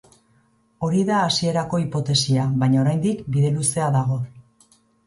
Hori da hasierako hipotesia, baina oraindik bide luzea dago.